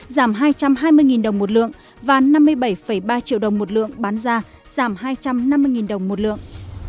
giảm hai trăm hai mươi đồng một lượng và năm mươi bảy ba triệu đồng một lượng bán ra giảm hai trăm năm mươi đồng một lượng